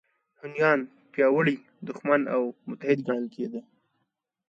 هونیان پیاوړی دښمن او متحد ګڼل کېده